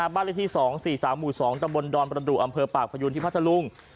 บ้านลิธี๒๔๓๒ตะบนดอนประดูกอำเภอปากพยูนที่พัทรลุง